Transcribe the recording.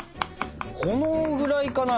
このぐらいかな？